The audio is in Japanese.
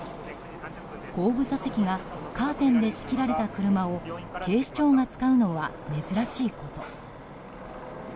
後部座席がカーテンで仕切られた車を警視庁が使うのは珍しいこと。